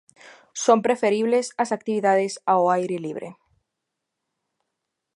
Son preferibles as actividades ao aire libre.